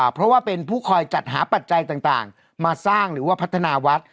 เพราะว่าเป็นผู้คอยจัดหาปัจจัยต่างมาสร้างหรือว่าพัฒนาวัด